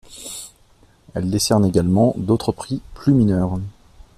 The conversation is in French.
Elle décerne également d'autres prix plus mineurs.